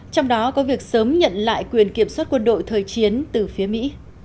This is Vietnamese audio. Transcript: trong đó có việc sớm nhận lại quyền kiểm soát quân đội thời chiến từ phía mỹ